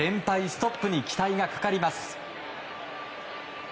ストップに期待がかかります。